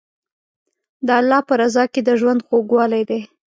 د الله په رضا کې د ژوند خوږوالی دی.